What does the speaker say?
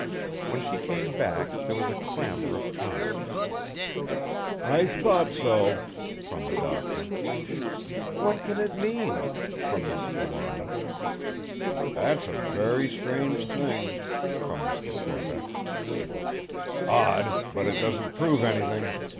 When she came back there was a clamour of comments: "I thought so!" from the Doctor. "What can it mean?" from Miss Trelawny. "That's a very strange thing!" from Mr. Corbeck. "Odd! but it doesn't prove anything!"